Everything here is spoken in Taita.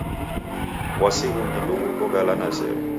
W'uasi ghungi ndeghuko ghala na sere.